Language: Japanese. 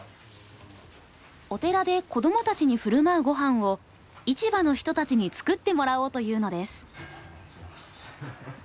お寺で子どもたちに振る舞うご飯を市場の人たちに作ってもらおうというのです。